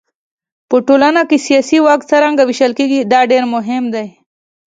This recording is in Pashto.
په ټولنه کې سیاسي واک څرنګه وېشل کېږي دا ډېر مهم دی.